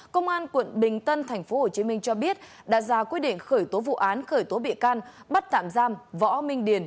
công an quận bình tân tp hcm cho biết đã ra quyết định khởi tố vụ án khởi tố bị can bắt tạm giam võ minh điền